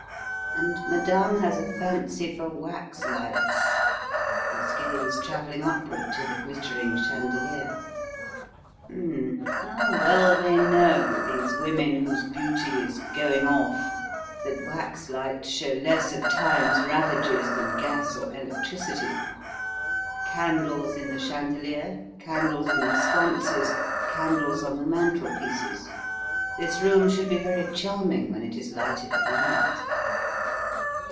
And madame has a fancy for waxlights," his gaze travelling upward to the glittering chandelier. "Hum m m! How well they know, these women whose beauty is going off, that waxlights show less of Time's ravages than gas or electricity. Candles in the chandelier; candles in the sconces, candles on the mantelpieces. This room should be very charming when it is lighted at night."